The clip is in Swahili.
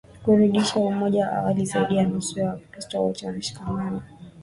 kurudisha umoja wa awali Zaidi ya nusu ya Wakristo wote wanashikamana